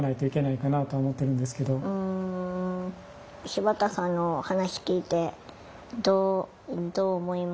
柴田さんの話聞いてどう思いました？